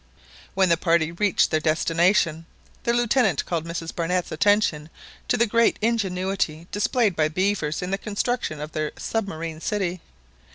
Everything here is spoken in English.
When the party reached their destination, the Lieutenant called Mrs Barnett's attention to the great ingenuity displayed by beavers in the construction of their submarine city.